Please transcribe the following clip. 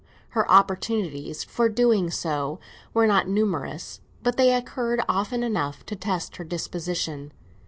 Her opportunities for doing so were not numerous, but they occurred often enough to test her disposition.